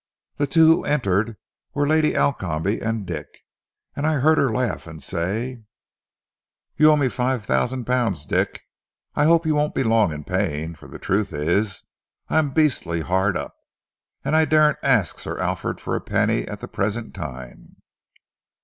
The two who entered were Lady Alcombe and Dick. I heard her laugh and say "'You owe me five thousand pounds, Dick. I hope you won't be very long in paying, for the truth is, I am beastly hard up, and I daren't ask Sir Alfred for a penny at the present time.